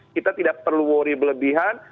kita tidak perlu worry berlebihan